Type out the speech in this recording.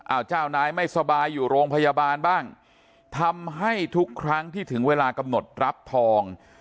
เอาเจ้านายไม่สบายอยู่โรงพยาบาลบ้างทำให้ทุกครั้งที่ถึงเวลากำหนดรับทอง